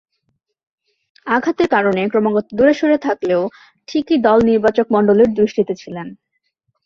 আঘাতের কারণে ক্রমাগত দূরে সরে থাকলেও ঠিকই দল নির্বাচকমণ্ডলীর দৃষ্টিতে ছিলেন।